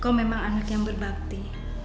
aku akan mencari anak yang berbakti